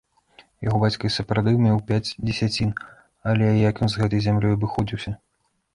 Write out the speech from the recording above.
Яго бацька і сапраўды меў пяць дзесяцін, але як ён з гэтай зямлёй абыходзіўся?